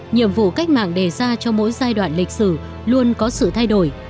nhiệm vụ cách mạng đề ra cho mỗi giai đoạn lịch sử luôn có sự thay đổi